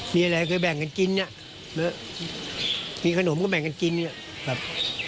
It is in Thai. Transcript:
มีอะไรเคยแบ่งกันกินเนี่ยมีขนมก็แบ่งกันกินเนี่ยครับ